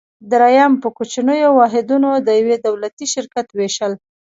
دریم: په کوچنیو واحدونو د یو دولتي شرکت ویشل.